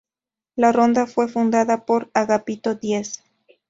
La ronda fue fundada por Agapito Díez.